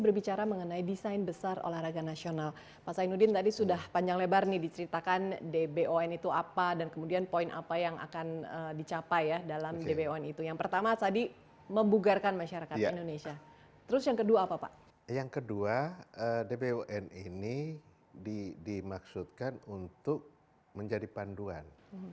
sehingga dbun ini dimaksudkan untuk menjadi panduan